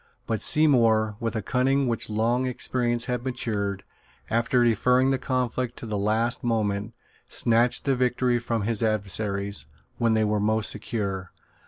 But Seymour, with a cunning which long experience had matured, after deferring the conflict to the last moment, snatched the victory from his adversaries, when they were most secure.